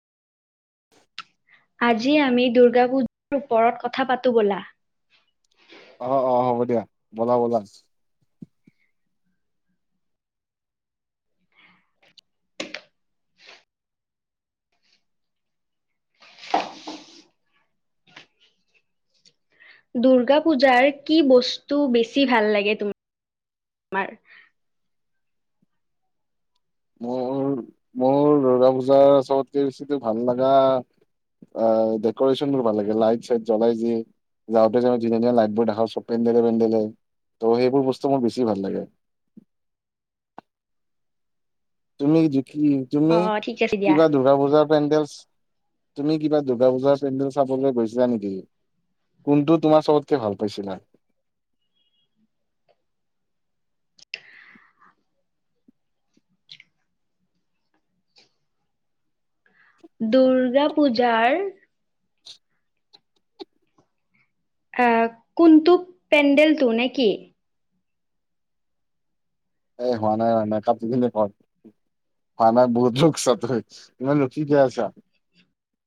[unintelligible] আজি আমি দুৰ্গা পূজাৰ ওপৰত কথা পাতোঁ ব'লা। অ' অ' হ'ব দিয়া, ব'লা ব'লা। দূৰ্গা পূজাৰ কি বস্তু বেছি ভাল লাগে তোমাৰ? মোৰ মোৰ দুৰ্গা পূজাৰ চ'বতকে বেছিটো ভাল লাগা অ' ডেক'ৰেশ্যন বোৰ ভাল লাগে, লাইট চাইট জ্বলাই যে যাওঁতে যাও ধনে ধুনীয়া ধুনীয়া লাইট বোৰ দেখা চব পেডেলে পেডেলে ত' সেইবোৰ বস্তু মোৰ বেছি ভাল লাগে। তুমি যিকি কি তুমি অ' ঠিক আছে দিয়া। কিবা দূৰ্গা পূজাৰ পেণ্ডেল তুমি কিবা দুৰ্গা পূজাৰ পেণ্ডেল চাবলে গৈছিলা নেকি? কোনটো তোমাৰ চ'বতকে ভাল পাইছিলা? দুৰ্গা পূজাৰ এ' কোনটো পেণ্ডেলটো নে কি? এ হোৱা নাই ও মেকাপ টো বেলেগ ক'ৰ খানাৰ বহুত লোক [unintelligible] হৈ, ইমান ৰখি কিয় আছা?